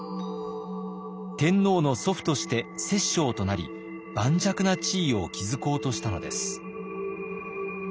天皇の祖父として摂政となり盤石な地位を築こうとしたのです。